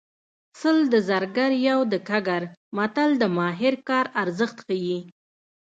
سل د زرګر یو د ګګر متل د ماهر کار ارزښت ښيي